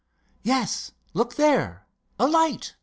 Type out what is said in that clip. "Yes, look there—a light!"